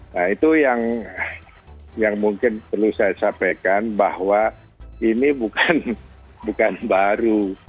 nah itu yang mungkin perlu saya sampaikan bahwa ini bukan baru